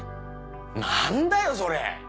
何だよそれ！